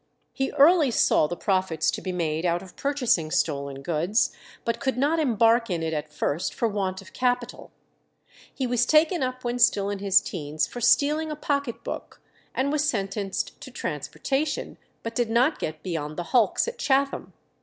He early saw the profits to be made out of purchasing stolen goods, but could not embark in it at first for want of capital. He was taken up when still in his teens for stealing a pocket book, and was sentenced to transportation, but did not get beyond the hulks at Chatham.